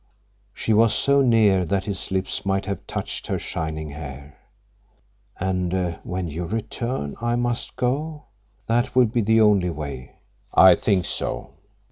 She was so near that his lips might have touched her shining hair. "And when you return, I must go. That will be the only way." "I think so."